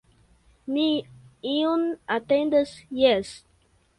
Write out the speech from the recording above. Mi iun atendas, jes!